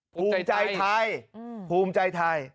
ภูมิใจไทยภูมิใจไทย